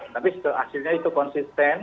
tapi hasilnya itu konsisten